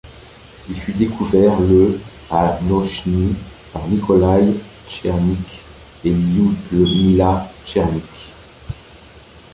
Il fut découvert le à Nauchnyj par Nikolaï Tchernykh et Lioudmila Tchernykh.